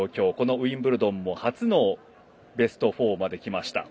ウィンブルドンも初のベスト４まできました。